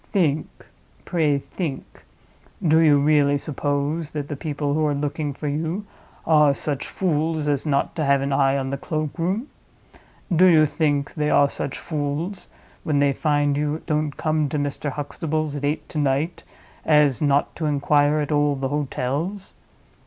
Think; pray think! Do you really suppose that the people who are looking for you are such fools as not to have an eye on the cloakroom? Do you think they are such fools—when they find you don't come to Mr. Huxtable's at eight to night—as not to inquire at all the hotels?